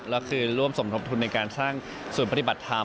แล้วคือร่วมสมทบทุนในการสร้างศูนย์ปฏิบัติธรรม